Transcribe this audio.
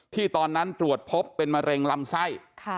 ตอนนั้นตรวจพบเป็นมะเร็งลำไส้